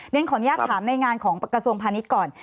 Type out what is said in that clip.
ขออนุญาตถามในงานของกระทรวงพาณิชย์ก่อน